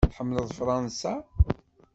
Tḥemmleḍ Fṛansa?